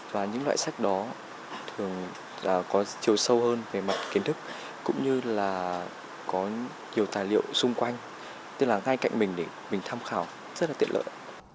và những loại sách đó thường là có chiều sâu hơn về mặt kiến thức cũng như là có nhiều tài liệu xung quanh tức là ngay cạnh mình để mình tham khảo rất là tiện lợi